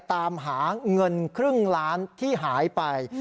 ตามหาเงินครึ่งล้านที่หายไป